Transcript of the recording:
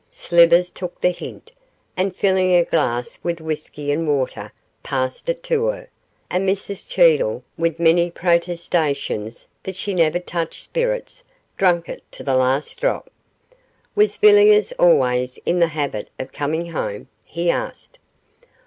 Slivers took the hint, and filling a glass with whisky and water passed it to her, and Mrs Cheedle, with many protestations that she never touched spirits, drank it to the last drop. 'Was Villiers always in the habit of coming home?' he asked.